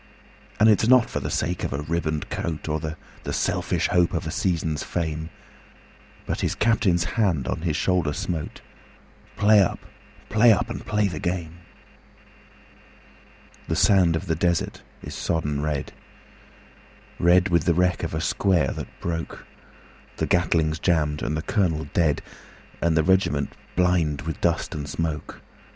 And it's not for the sake of a ribboned coat, Or the selfish hope of a season's fame, But his Captain's hand on his shoulder smote "Play up! play up! and play the game!" The sand of the desert is sodden red, Red with the wreck of a square that broke; The Gatling's jammed and the colonel dead, And the regiment blind with dust and smoke.